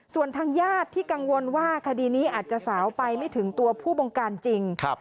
ส่วนทางญาติที่กังวลว่าคดีนี้อาจจะสาวไปไม่ถึงตัวผู้บงการจริง